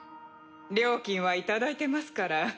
料金は頂いてますから。